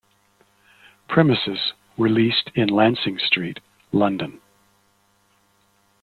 Premises were leased in Lancing Street, London.